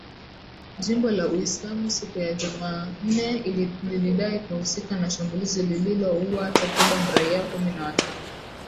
Jimbo la Uislamu siku ya Jumanne lilidai kuhusika na shambulizi lililoua takribani raia kumi na watano.